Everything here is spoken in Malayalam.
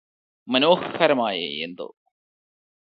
മനോഹരമായ എന്തോ